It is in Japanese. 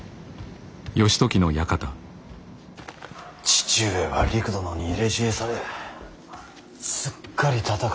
父上はりく殿に入れ知恵されすっかり戦う気だ。